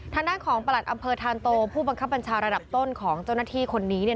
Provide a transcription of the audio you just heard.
ทางด้านของประหลัดอำเภอธานโตผู้บังคับบัญชาระดับต้นของเจ้าหน้าที่คนนี้เนี่ย